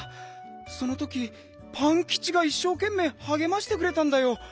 そのときパンキチがいっしょうけんめいはげましてくれたんだよ。